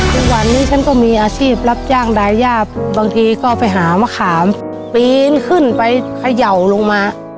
ทุกวันนี้ฉันก็มีอาชีพรับจ้างดายาบบางทีก็ไปหามะขามปีนขึ้นไปเขย่าลงมา